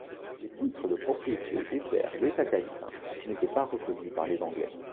Les titres de propriété des terres des Acadiens n'étaient pas reconnus par les Anglais.